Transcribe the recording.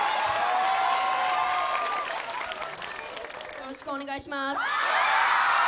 よろしくお願いします。